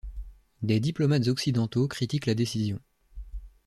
Des diplomates occidentaux critiquent la décision.